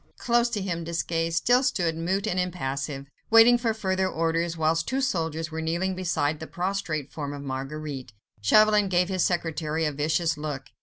Close to him Desgas still stood mute and impassive, waiting for further orders, whilst two soldiers were kneeling beside the prostrate form of Marguerite. Chauvelin gave his secretary a vicious look.